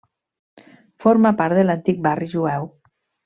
Forma part de l'antic barri jueu.